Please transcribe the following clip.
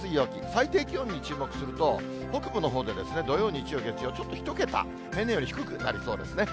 最低気温に注目すると、北部のほうで土曜、日曜、月曜、ちょっと１桁、平年より低くなりそうですね。